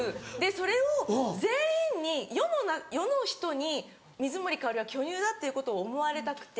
それを全員に世の人に水森かおりは巨乳だっていうことを思われたくて。